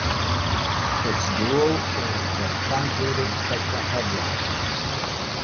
Its dual is the truncated tetrahedron.